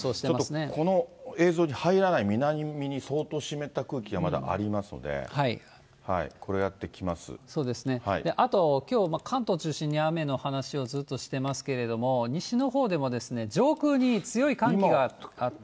ちょっとこの映像に入らない南に相当湿った空気がまだありまそうですね、あときょう、関東中心に雨の話をずっとしてますけれども、西のほうでも上空に強い寒気があって。